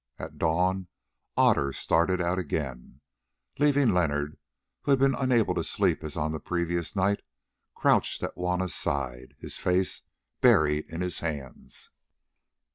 At dawn Otter started out again, leaving Leonard, who had been unable to sleep as on the previous night, crouched at Juanna's side, his face buried in his hands.